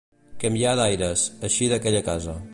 Canviar d'aires, eixir d'aquella casa.